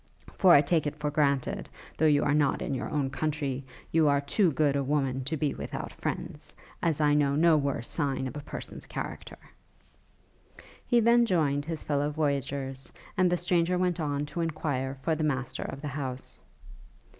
For I take it for granted, though you are not in your own country, you are too good a woman to be without friends, as I know no worse sign of a person's character.' He then joined his fellow voyagers, and the stranger went on to enquire for the master of the house.